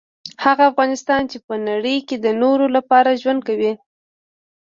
هغه انسان چي په نړۍ کي د نورو لپاره ژوند کوي